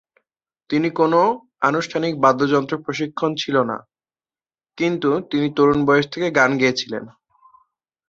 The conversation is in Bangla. তিনি কোন আনুষ্ঠানিক বাদ্যযন্ত্র প্রশিক্ষণ ছিল না, কিন্তু তিনি তরুণ বয়স থেকে গান গেয়েছিলেন।